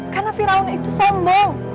karena fir'aun itu sombong